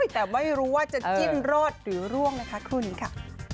แต่ไม่รู้ว่าจะจิ้นรอดหรือร่วงนะคะคู่นี้ค่ะ